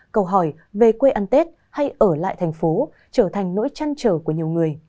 câu hỏi về quê ăn tết hay ở lại thành phố trở thành nỗi trăn trở của nhiều người